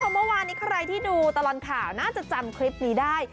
เมื่อวานนี้ใครที่ดูตลอดข่าวน่าจะจำคลิปนี้ได้